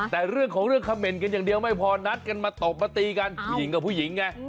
แต่เรื่องของเรื่องคำเมนต์กันอย่างเดียวไม่พอนัดกันมาตบมาตีกันผู้หญิงกับผู้หญิงไง